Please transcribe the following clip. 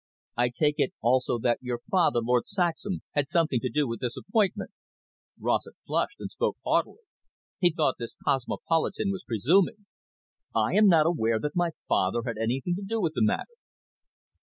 "I take it also that your father, Lord Saxham, had something to do with this appointment." Rossett flushed, and spoke haughtily. He thought this cosmopolitan was presuming. "I am not aware that my father had anything to do with the matter."